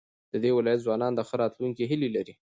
د دې ولايت ځوانان د ښه راتلونکي هيلې لري.